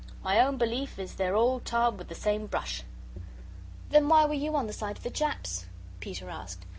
My own belief is they're all tarred with the same brush." "Then why were you on the side of the Japs?" Peter asked.